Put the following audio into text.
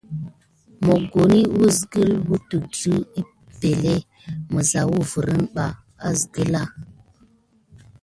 Mokoni kiskule wune de epəŋle misa wuvere ɓa askilan.